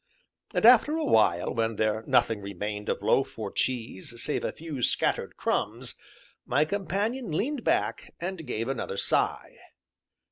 And after a while, when there nothing remained of loaf or cheese save a few scattered crumbs, my companion leaned back, and gave another sigh.